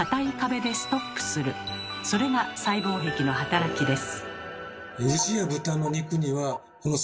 それが細胞壁の働きです。